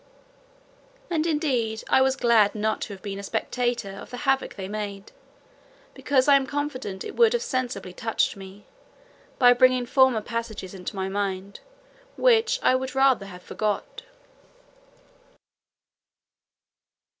And, indeed, I was glad not to have been a spectator of the havoc they made, because I am confident it would have sensibly touched me, by bringing former passages into my mind, which I would rather have forgot.